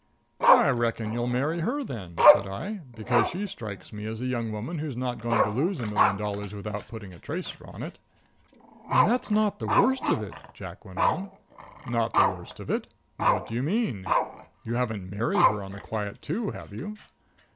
"I reckon you'll marry her, then," I said; "because she strikes me as a young woman who's not going to lose a million dollars without putting a tracer after it." "And that's not the worst of it," Jack went on. "Not the worst of it! What do you mean! You haven't married her on the quiet, too, have you?"